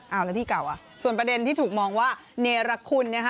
แล้วที่เก่าส่วนประเด็นที่ถูกมองว่าเนรคคุณ